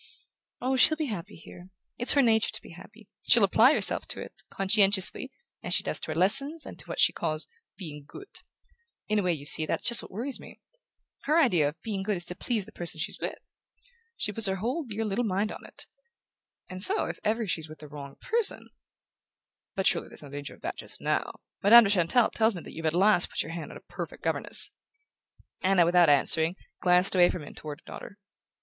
"Oh, she'll be happy here. It's her nature to be happy. She'll apply herself to it, conscientiously, as she does to her lessons, and to what she calls 'being good'...In a way, you see, that's just what worries me. Her idea of 'being good' is to please the person she's with she puts her whole dear little mind on it! And so, if ever she's with the wrong person " "But surely there's no danger of that just now? Madame de Chantelle tells me that you've at last put your hand on a perfect governess " Anna, without answering, glanced away from him toward her daughter.